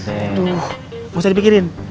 aduh nggak usah dipikirin